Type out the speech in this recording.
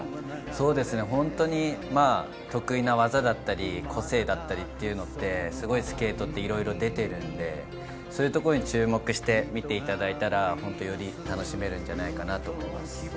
本当に得意な技だったり、個性だったりっていうのって、スケートっていろいろ出てるので、そういうところに注目してみていただいたら、より楽しめるんじゃないかなと思います。